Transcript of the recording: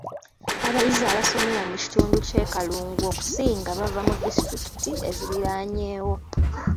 Abayizi abasomera mu kitundu ky’e Kalungu okusinga bava mu disitulikiti eziriraanyeewo